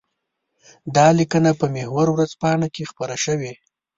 دا لیکنه په محور ورځپاڼه کې خپره شوې.